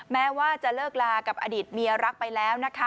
แม้ว่าจะเลิกลากับอดีตเมียรักไปแล้วนะคะ